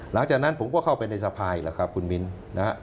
หลังจากนั้นผมก็เข้าไปในสภายแหละครับคุณวินนะครับ